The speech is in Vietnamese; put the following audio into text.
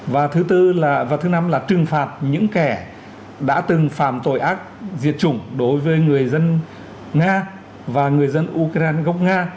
và thứ tư là và thứ năm là trừng phạt những kẻ đã từng phạm tội ác diệt chủng đối với người dân nga và người dân ukraine gốc nga